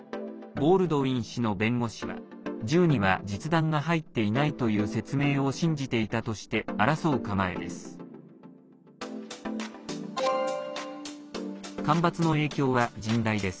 ボールドウィン氏の弁護士は銃には実弾が入っていないという説明を信じていたとして争う構えです。